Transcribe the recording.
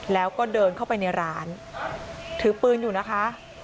แล้วก็เดินเข้าไปในร้านถือปืนอยู่นะคะ